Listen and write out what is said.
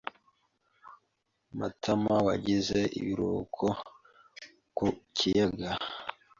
Matamawagize ibiruhuko ku kiyaga.